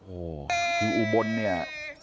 โอ้โหคืออุบลเนี่ย